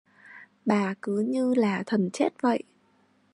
Bà cứ như là thần chết vậy